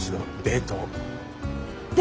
デート。